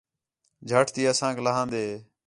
جھٹ تی اسانک لہان٘دے